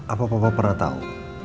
apa papa pernah tau